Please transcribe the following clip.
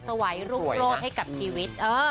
ถวายรุ่งโรศให้กับชีวิต